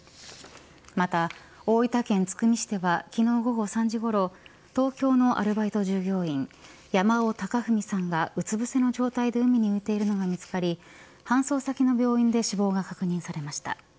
また、大分県津久見市では昨日午後３時ごろ東京のアルバイト従業員山尾隆文さんがうつ伏せの状態で海に浮いているのが見つかり搬送先の病院で死亡が確認されました。